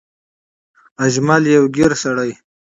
اجمل يو ګېر سړی